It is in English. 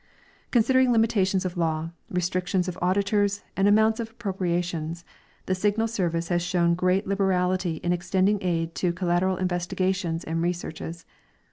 Considering limitations of law, restrictions of auditors, and amounts of appropriations, the Signal service has shown great liberality in extending aid to collateral investigations and re searches.